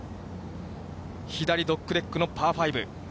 左ドッグレッグのパー５。